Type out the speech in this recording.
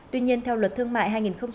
tuy nhiên theo luật thương mại hai nghìn năm